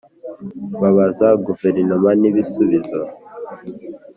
Babaza Guverinoma n’ibisubizo.